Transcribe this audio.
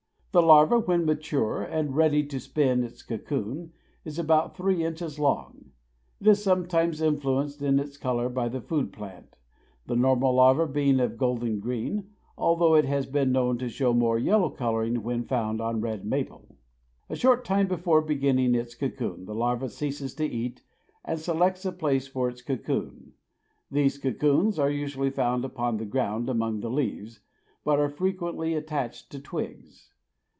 The larva, when mature and ready to spin its cocoon, is about three inches long. It is sometimes influenced in its color by the food plant; the normal larva being of a golden green, although it has been known to show more yellow coloring when found on red maple. A short time before beginning its cocoon the larva ceases to eat and selects a place for its cocoon. These cocoons are usually found upon the ground among the leaves, but are frequently attached to twigs.